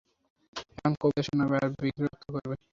এখন কবিতা শোনাবে আর বিরক্ত করবে!